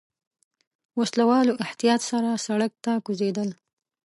وسله والو احتياط سره سړک ته کوزېدل.